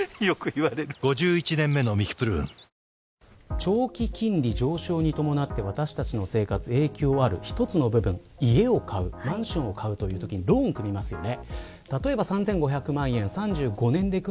長期金利上昇に伴って私たちの影響で生活影響ある一つの部分家を買う、マンションを買うときにローンを組みますよね。